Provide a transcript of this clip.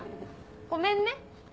ごめんね。